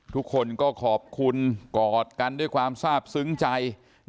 ทุกคนก็ขอบคุณกอดกันด้วยความทราบซึ้งใจ